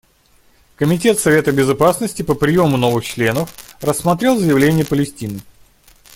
Комитет Совета Безопасности по приему новых членов рассмотрел заявление Палестины.